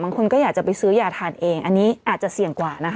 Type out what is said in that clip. คนก็อยากจะไปซื้อยาทานเองอันนี้อาจจะเสี่ยงกว่านะคะ